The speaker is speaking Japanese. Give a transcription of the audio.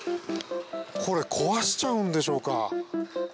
これ、壊しちゃうんでしょうか。